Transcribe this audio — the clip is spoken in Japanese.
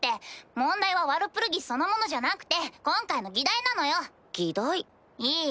問題はワルプルギスそのものじゃなくて今回の議題なのよ。議題？いい？